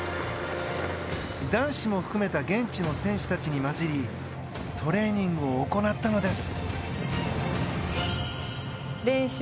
男子も含めた現地の選手たちに交じりトレーニングを行ったのです。